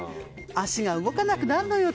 足が動かなくなるのよ